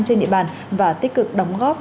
trên địa bàn và tích cực đóng góp